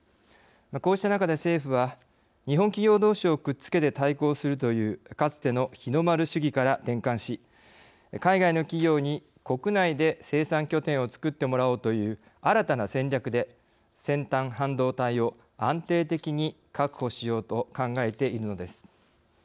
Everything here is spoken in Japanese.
こうした中で政府は日本企業同士をくっつけて対抗するというかつての日の丸主義から転換し海外の企業に国内で生産拠点をつくってもらおうという新たな戦略で先端半導体を安定的に確保しようと考えているのです。